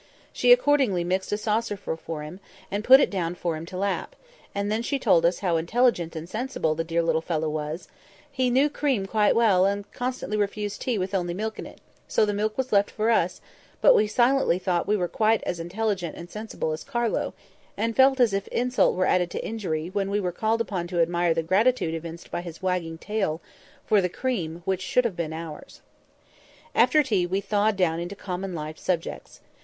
She accordingly mixed a saucerful for him, and put it down for him to lap; and then she told us how intelligent and sensible the dear little fellow was; he knew cream quite well, and constantly refused tea with only milk in it: so the milk was left for us; but we silently thought we were quite as intelligent and sensible as Carlo, and felt as if insult were added to injury when we were called upon to admire the gratitude evinced by his wagging his tail for the cream which should have been ours. After tea we thawed down into common life subjects.